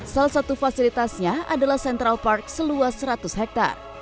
salah satu fasilitasnya adalah central park seluas seratus hektare